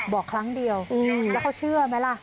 บอกครั้งเดียวแล้วเขาเชื่อไหมล่ะ